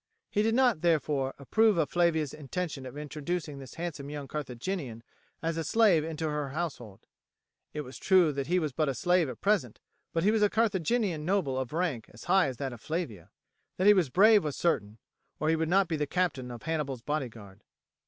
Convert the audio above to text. He did not, therefore, approve of Flavia's intention of introducing this handsome young Carthaginian as a slave into her household. It was true that he was but a slave at present, but he was a Carthaginian noble of rank as high as that of Flavia. That he was brave was certain, or he would not be the captain of Hannibal's bodyguard.